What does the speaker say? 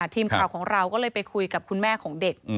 ทีมข่าวของเราก็เลยไปคุยกับคุณแม่ของเด็ก